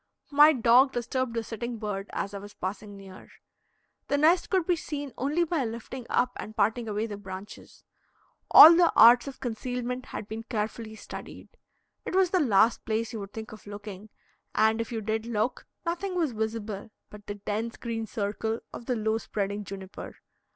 My dog disturbed the sitting bird as I was passing near. The nest could be seen only by lifting up and parting away the branches. All the arts of concealment had been carefully studied. It was the last place you would think of looking, and, if you did look, nothing was visible but the dense green circle of the low spreading juniper.